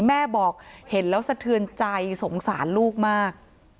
แม่บอกเห็นแล้วสะเทือนใจสงสารลูกมาก